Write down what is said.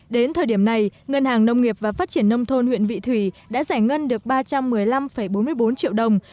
đến thời điểm này ngân hàng nông nghiệp và phát triển nông thôn huyện vị thủy đã giải ngân được ba trăm một mươi năm bốn mươi bốn triệu đồng